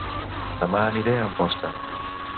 Dema aniré a Amposta